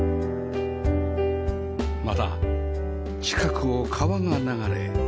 また近くを川が流れ